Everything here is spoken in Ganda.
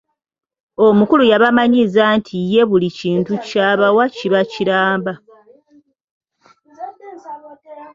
Omukulu yabamanyiiza nti ye buli kintu ky'abawa kiba kiramba.